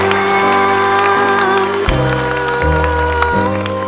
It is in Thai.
สงค์วะ